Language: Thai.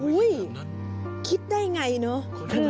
อุ้ยคิดได้ไงเนอะ